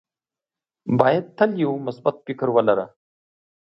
باید تل یو مثبت فکر ولره.